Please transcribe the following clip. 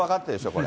これ。